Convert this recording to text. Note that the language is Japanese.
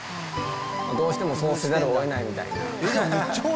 どうしてもそうせざるをえないみたいな。